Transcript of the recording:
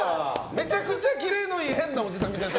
めちゃくちゃキレのいい変なおじさんみたいな。